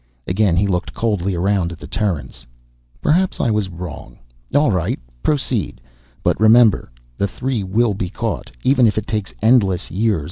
Again he looked coldly around at the Terrans. "Perhaps I was wrong. All right, proceed! But remember: the three will be caught, even if it takes endless years.